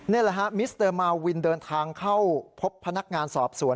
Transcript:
นี่แหละฮะมิสเตอร์มาวินเดินทางเข้าพบพนักงานสอบสวน